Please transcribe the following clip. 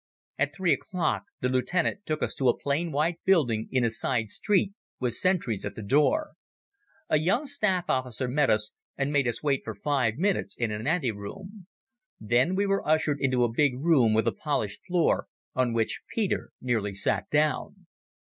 At three o'clock the lieutenant took us to a plain white building in a side street with sentries at the door. A young staff officer met us and made us wait for five minutes in an ante room. Then we were ushered into a big room with a polished floor on which Peter nearly sat down.